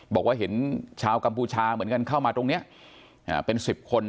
บอกว่าเห็นชาวกัมพูชาเหมือนกันเข้ามาตรงนี้เป็น๑๐คน